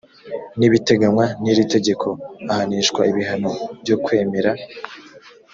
n ibiteganywa n iri tegeko ahanishwa ibihano byo kwemera